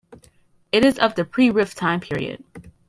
It is of the pre-rift time period.